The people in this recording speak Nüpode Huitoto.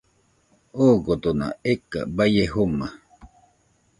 Ogodona eka baie joma